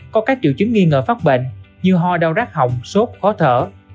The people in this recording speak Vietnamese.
có các triệu chứng nghi ngờ phát bệnh như ho đau đác hỏng sốt khó thở